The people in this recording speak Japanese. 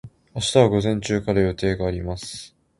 明日は午前中から予定があります。